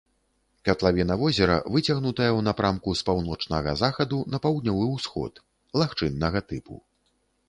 Катлавіна возера выцягнутая ў напрамку з паўночнага захаду на паўднёвы усход, лагчыннага тыпу.